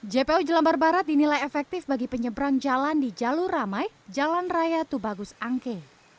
jpo jelambar barat dinilai efektif bagi penyeberang jalan di jalur ramai jalan raya tubagus angke